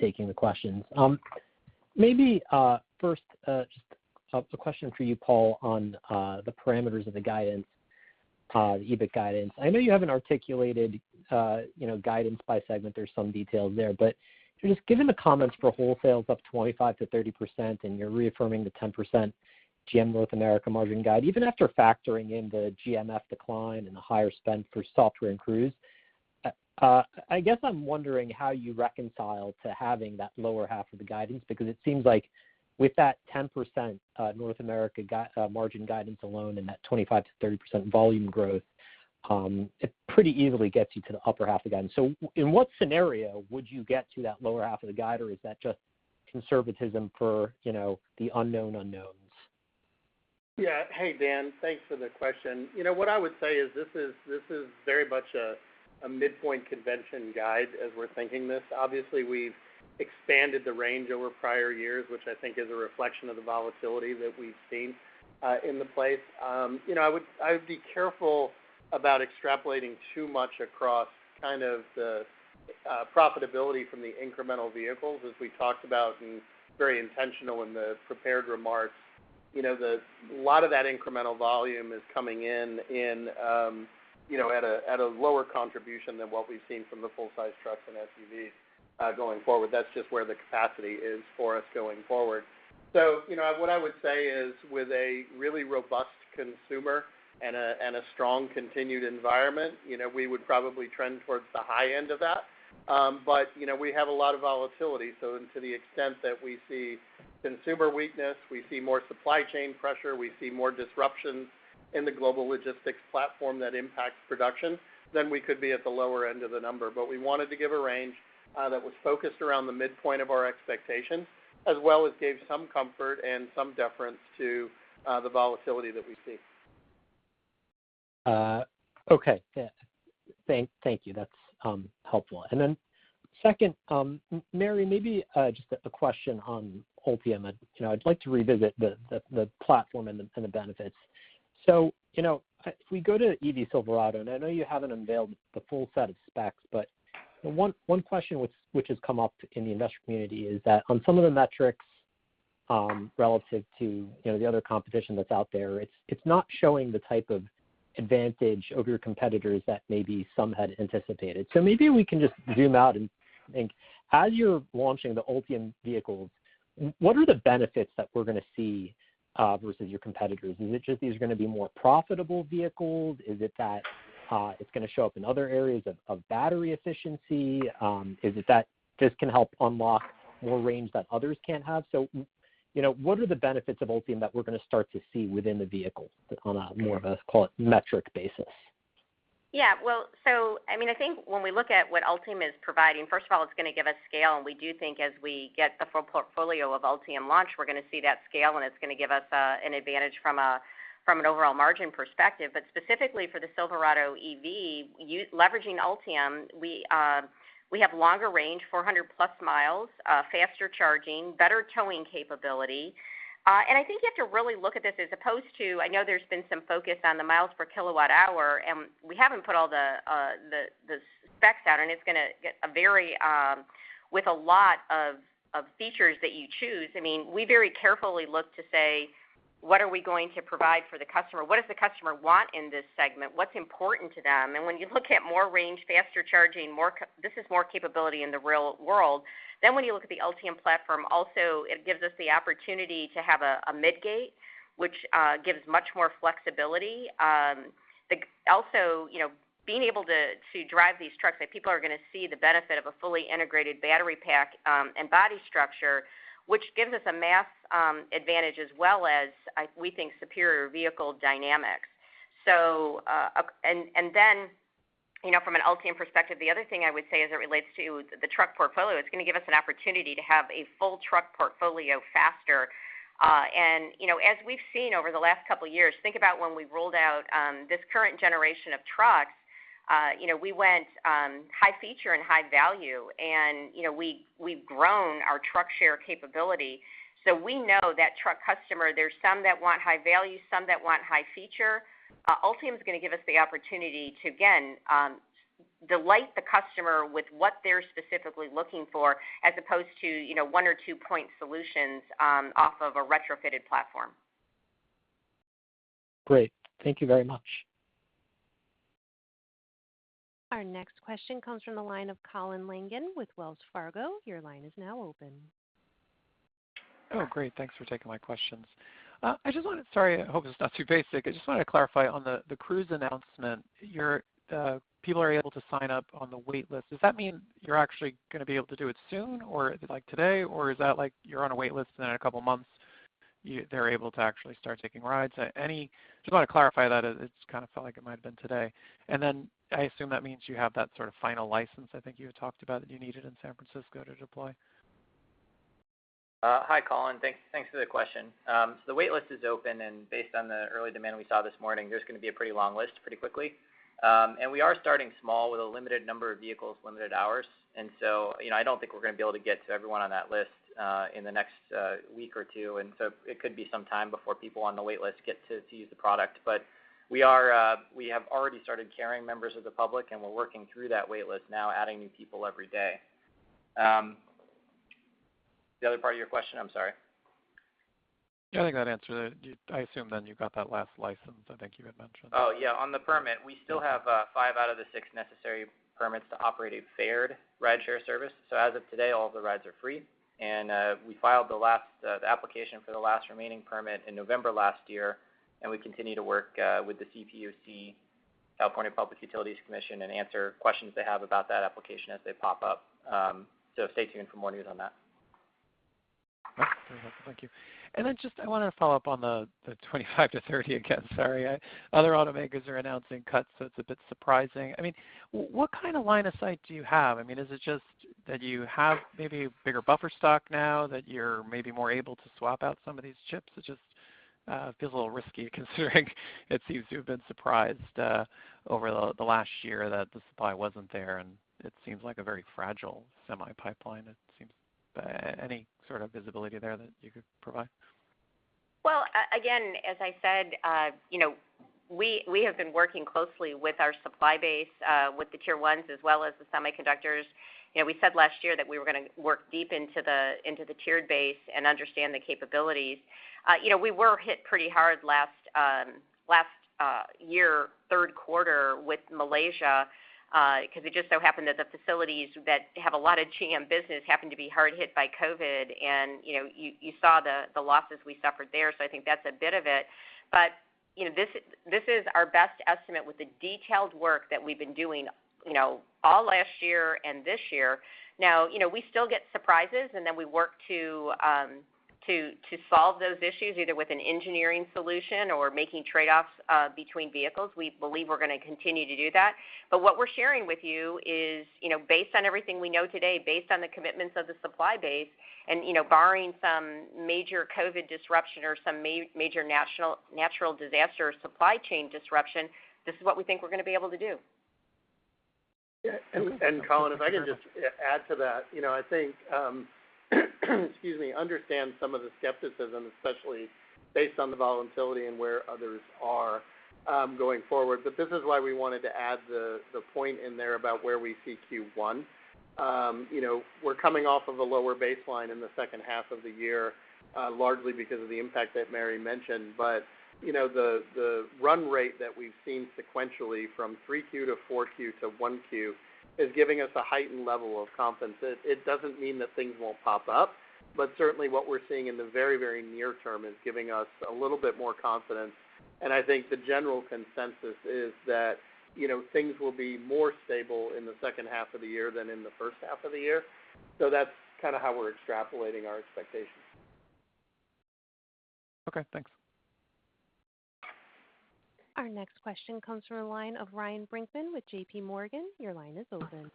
taking the questions. Maybe first, just a question for you, Paul, on the parameters of the guidance, the EBIT guidance. I know you haven't articulated guidance by segment. There's some details there. Just given the comments for wholesales up 25%-30%, and you're reaffirming the 10% GM North America margin guide, even after factoring in the GMF decline and the higher spend for software and Cruise, I guess I'm wondering how you reconcile to having that lower half of the guidance, because it seems like with that 10% North America margin guidance alone and that 25%-30% volume growth, it pretty easily gets you to the upper half of the guidance. In what scenario would you get to that lower half of the guide, or is that just conservatism for the unknown unknowns? Yeah. Hey, Dan, thanks for the question. What I would say is this is very much a midpoint convention guide as we're thinking this. Obviously, we've expanded the range over prior years, which I think is a reflection of the volatility that we've seen in the space. I would be careful about extrapolating too much across kind of the profitability from the incremental vehicles. As we talked about and very intentional in the prepared remarks, you know, a lot of that incremental volume is coming in at a lower contribution than what we've seen from the full-size trucks and SUVs going forward. That's just where the capacity is for us going forward. What I would say is, with a really robust consumer and a strong continued environment, we would probably trend towards the high end of that. We have a lot of volatility, so to the extent that we see consumer weakness, we see more supply chain pressure, we see more disruptions in the global logistics platform that impacts production, then we could be at the lower end of the number. We wanted to give a range that was focused around the midpoint of our expectations, as well as gave some comfort and some deference to the volatility that we see. Okay. Yeah. Thank you. That's helpful. Second, Mary, maybe just a question on Ultium. I'd like to revisit the platform and the benefits. If we go to EV Silverado, and I know you haven't unveiled the full set of specs, but one question which has come up in the investor community is that on some of the metrics, relative to the other competition that's out there, it's not showing the type of advantage over your competitors that maybe some had anticipated. Maybe we can just zoom out and think, as you're launching the Ultium vehicles, what are the benefits that we're gonna see versus your competitors? Is it just these are gonna be more profitable vehicles? Is it that it's gonna show up in other areas of battery efficiency? Is it that this can help unlock more range that others can't have? What are the benefits of Ultium that we're gonna start to see within the vehicles on a more of a, call it, metric basis? Yeah. Well, I mean, I think when we look at what Ultium is providing, first of all, it's gonna give us scale, and we do think as we get the full portfolio of Ultium launched, we're gonna see that scale, and it's gonna give us an advantage from an overall margin perspective. But specifically for the Silverado EV, leveraging Ultium, we have longer range, 400+ mi, faster charging, better towing capability. I think you have to really look at this as opposed to, I know there's been some focus on the miles per kilowatt hour, and we haven't put all the specs out, and it's gonna vary with a lot of features that you choose. I mean, we very carefully look to say, what are we going to provide for the customer? What does the customer want in this segment? What's important to them? When you look at more range, faster charging, this is more capability in the real world. When you look at the Ultium platform, also, it gives us the opportunity to have a mid-gate, which gives much more flexibility. Also, being able to drive these trucks, that people are gonna see the benefit of a fully integrated battery pack and body structure, which gives us a mass advantage, as well as we think, superior vehicle dynamics and then, from an Ultium perspective, the other thing I would say as it relates to the truck portfolio, it's gonna give us an opportunity to have a full truck portfolio faster. As we've seen over the last couple years, think about when we rolled out this current generation of trucks, we went high feature and high value. We've grown our truck share capability. We know that truck customer, there's some that want high value, some that want high feature. Ultium's gonna give us the opportunity to again delight the customer with what they're specifically looking for as opposed to one or two point solutions off of a retrofitted platform. Great. Thank you very much. Our next question comes from the line of Colin Langan with Wells Fargo. Your line is now open. Oh, great. Thanks for taking my questions. Sorry, I hope it's not too basic. I just wanted to clarify on the Cruise announcement. Your people are able to sign up on the wait list. Does that mean you're actually gonna be able to do it soon or like today, or is that like you're on a wait list, and in a couple months they're able to actually start taking rides? Just wanna clarify that, it's kind of felt like it might have been today. Then I assume that means you have that sort of final license I think you had talked about that you needed in San Francisco to deploy. Hi, Colin. Thanks for the question. The wait list is open, and based on the early demand we saw this morning, there's gonna be a pretty long list pretty quickly. We are starting small with a limited number of vehicles, limited hours. I don't think we're gonna be able to get to everyone on that list in the next week or two, and so it could be some time before people on the wait list get to use the product. We have already started carrying members of the public, and we're working through that wait list now, adding new people every day. The other part of your question? I'm sorry. Yeah, I think that answered it. I assume then you got that last license I think you had mentioned. Oh, yeah. On the permit, we still have five out of the six necessary permits to operate a fared rideshare service. As of today, all of the rides are free. We filed the application for the last remaining permit in November last year, and we continue to work with the CPUC, California Public Utilities Commission, and answer questions they have about that application as they pop up. Stay tuned for more news on that. Okay. Thank you. Just I wanna follow up on the 25%-30% again. Sorry. Other automakers are announcing cuts, so it's a bit surprising. I mean, what kind of line of sight do you have? I mean, is it just that you have maybe bigger buffer stock now that you're maybe more able to swap out some of these chips? It just feels a little risky considering it seems to have been surprised over the last year that the supply wasn't there, and it seems like a very fragile semi pipeline, it seems. Any sort of visibility there that you could provide? Well, again, as I said, we have been working closely with our supply base, with the tier ones as well as the semiconductors. We said last year that we were gonna work deep into the tiered base and understand the capabilities. We were hit pretty hard last year, third quarter with Malaysia, 'cause it just so happened that the facilities that have a lot of GM business happened to be hard hit by COVID, and you saw the losses we suffered there. I think that's a bit of it. This is our best estimate with the detailed work that we've been doing all last year and this year. Now, we still get surprises, and then we work to solve those issues, either with an engineering solution or making trade-offs between vehicles. We believe we're gonna continue to do that. But what we're sharing with you is, based on everything we know today, based on the commitments of the supply base, and barring some major COVID disruption or some major natural disaster or supply chain disruption, this is what we think we're gonna be able to do. Colin, if I can just add to that. I think, excuse me, I understand some of the skepticism, especially based on the volatility and where others are going forward. This is why we wanted to add the point in there about where we see Q1. We're coming off of a lower baseline in the second half of the year, largely because of the impact that Mary mentioned. The run rate that we've seen sequentially from 3Q to 4Q to 1Q is giving us a heightened level of confidence. It doesn't mean that things won't pop up, but certainly what we're seeing in the very, very near term is giving us a little bit more confidence. I think the general consensus is that, things will be more stable in the second half of the year than in the first half of the year. That's kinda how we're extrapolating our expectations. Okay, thanks. Our next question comes from the line of Ryan Brinkman with JPMorgan. Your line is open.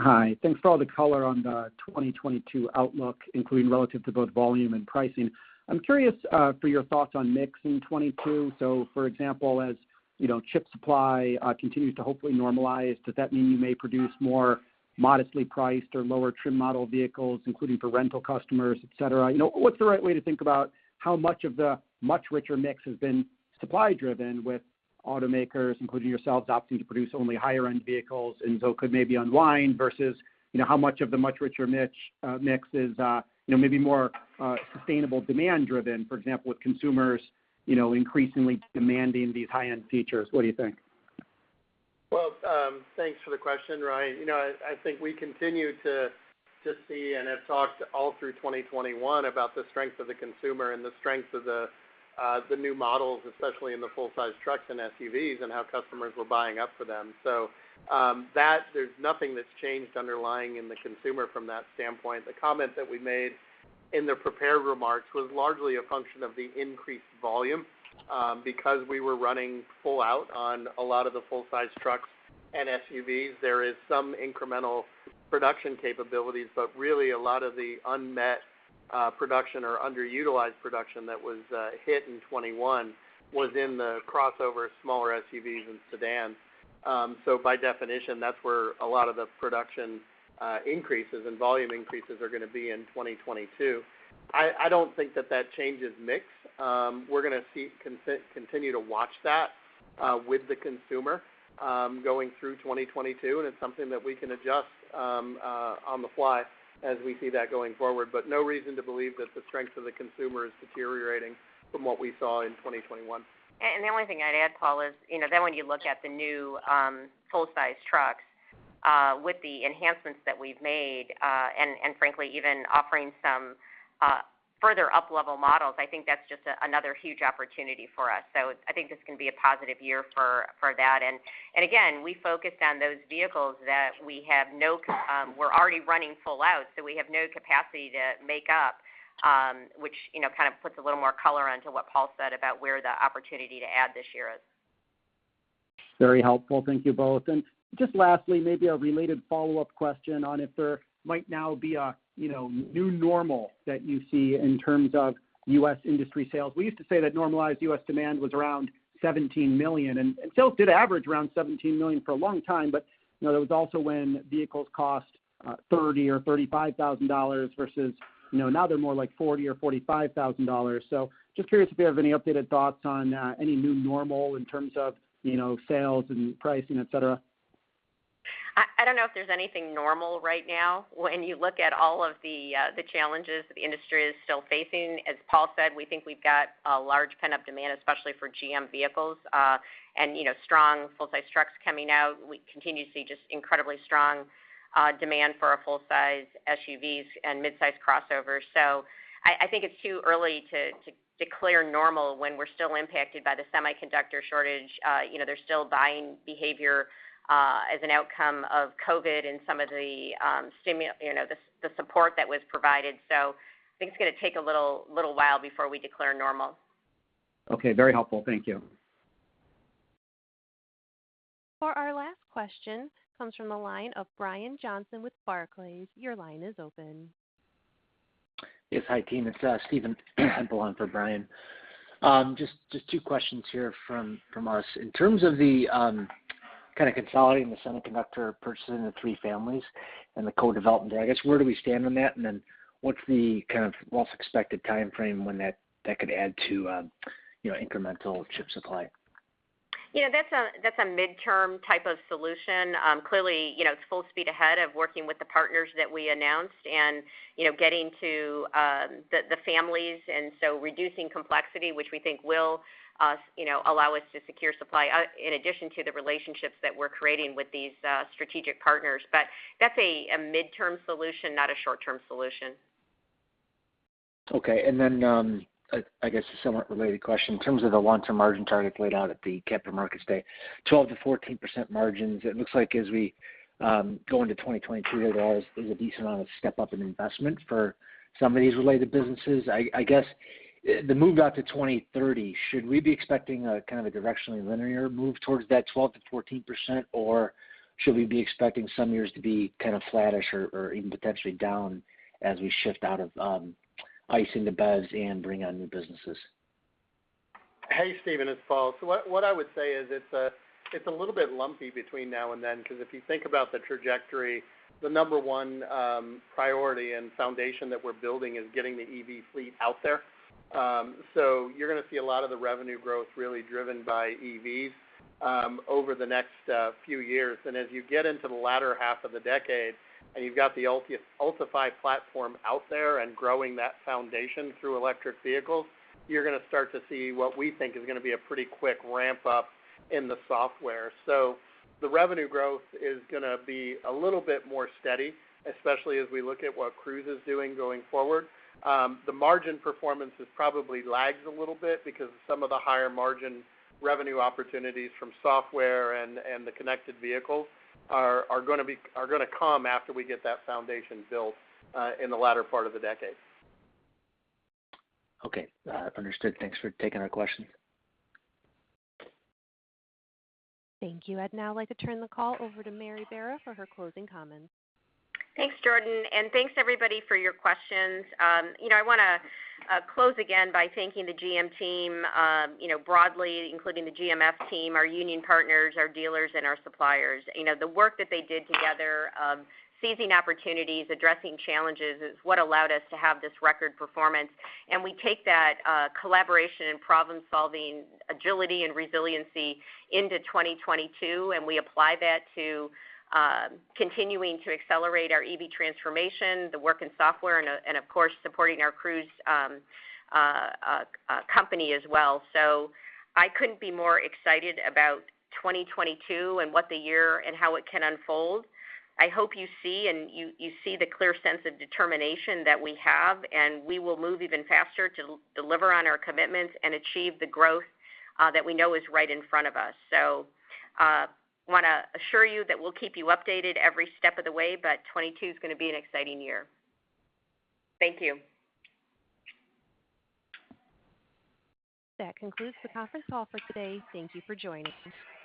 Hi. Thanks for all the color on the 2022 outlook, including relative to both volume and pricing. I'm curious for your thoughts on mix in 2022. For example, as you know, chip supply continues to hopefully normalize. Does that mean you may produce more modestly priced or lower trim model vehicles, including for rental customers, et cetera? What's the right way to think about how much of the much richer mix has been supply driven with automakers, including yourselves, opting to produce only higher end vehicles and so could maybe unwind versus, you know, how much of the much richer mix is, maybe more sustainable demand driven, for example, with consumers increasingly demanding these high-end features. What do you think? Well, thanks for the question, Ryan. I think we continue to see and have talked all through 2021 about the strength of the consumer and the strength of the new models, especially in the full size trucks and SUVs and how customers were buying up for them. That there's nothing that's changed underlying in the consumer from that standpoint. The comment that we made in the prepared remarks was largely a function of the increased volume. Because we were running full out on a lot of the full size trucks and SUVs, there is some incremental production capabilities. Really a lot of the unmet production or underutilized production that was hit in 2021 was in the crossover smaller SUVs and sedans. By definition, that's where a lot of the production increases and volume increases are gonna be in 2022. I don't think that changes mix. We're gonna continue to watch that with the consumer going through 2022, and it's something that we can adjust on the fly as we see that going forward. No reason to believe that the strength of the consumer is deteriorating from what we saw in 2021. The only thing I'd add, Paul, is when you look at the new full-sized trucks with the enhancements that we've made and frankly even offering some further up-level models, I think that's just another huge opportunity for us. I think this can be a positive year for that. Again, we focused on those vehicles that we're already running full out, so we have no capacity to make up, which kind of puts a little more color onto what Paul said about where the opportunity to add this year is. Very helpful. Thank you both. Just lastly, maybe a related follow-up question on if there might now be a new normal that you see in terms of U.S. industry sales. We used to say that normalized U.S. demand was around 17 million, and sales did average around 17 million for a long time, but that was also when vehicles cost $30,000 or $35,000 versus now they're more like $40,000 or $45,000. Just curious if you have any updated thoughts on any new normal in terms of sales and pricing, et cetera. I don't know if there's anything normal right now when you look at all of the challenges the industry is still facing. As Paul said, we think we've got a large pent-up demand, especially for GM vehicles, and strong full-size trucks coming out. We continue to see just incredibly strong demand for our full-size SUVs and midsize crossovers. I think it's too early to declare normal when we're still impacted by the semiconductor shortage. There's still buying behavior as an outcome of COVID and some of the support that was provided. I think it's gonna take a little while before we declare normal. Okay, very helpful. Thank you. For our last question comes from the line of Brian Johnson with Barclays. Your line is open. Yes. Hi, team. It's Stephen Temple on for Brian. Just two questions here from us. In terms of the kind of consolidating the semiconductor purchase in the three families and the co-development there, I guess, where do we stand on that? What's the kind of most expected timeframe when that could add to incremental chip supply? That's a midterm type of solution. Clearly, it's full speed ahead on working with the partners that we announced, and getting to the facilities. Reducing complexity, which we think will allow us to secure supply, in addition to the relationships that we're creating with these strategic partners. That's a midterm solution, not a short-term solution. Okay. I guess a somewhat related question. In terms of the long-term margin target laid out at the Capital Markets Day, 12%-14% margins. It looks like as we go into 2023, there's a decent amount of step-up in investment for some of these related businesses. I guess the move out to 2030, should we be expecting a kind of a directionally linear move towards that 12%-14%, or should we be expecting some years to be kind of flattish or even potentially down as we shift out of the ICE and bring on new businesses? Hey, Stephen, it's Paul. What I would say is it's a little bit lumpy between now and then, 'cause if you think about the trajectory, the number one priority and foundation that we're building is getting the EV fleet out there. You're gonna see a lot of the revenue growth really driven by EVs over the next few years. As you get into the latter half of the decade, and you've got the Ultifi platform out there and growing that foundation through electric vehicles, you're gonna start to see what we think is gonna be a pretty quick ramp-up in the software. The revenue growth is gonna be a little bit more steady, especially as we look at what Cruise is doing going forward. The margin performance is probably lagging a little bit because some of the higher margin revenue opportunities from software and the connected vehicles are gonna come after we get that foundation built in the latter part of the decade. Okay. Understood. Thanks for taking our questions. Thank you. I'd now like to turn the call over to Mary Barra for her closing comments. Thanks, Jordan. And thanks, everybody, for your questions. I wanna close again by thanking the GM team, broadly, including the GMF team, our union partners, our dealers, and our suppliers. The work that they did together, seizing opportunities, addressing challenges is what allowed us to have this record performance. We take that collaboration and problem-solving agility and resiliency into 2022, and we apply that to continuing to accelerate our EV transformation, the work in software, and of course, supporting our Cruise company as well. I couldn't be more excited about 2022 and what the year and how it can unfold. I hope you see the clear sense of determination that we have, and we will move even faster to deliver on our commitments and achieve the growth that we know is right in front of us. Wanna assure you that we'll keep you updated every step of the way, but 2022 is gonna be an exciting year. Thank you. That concludes the conference call for today. Thank you for joining us.